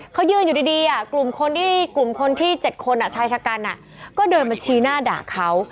เขายืนอยู่ดีอ่ะกลุ่มคนที่๗คนชายจักรก็เดินมาชี้หน้าด่าเขา